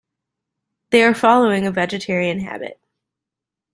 They are following a vegetarian habit.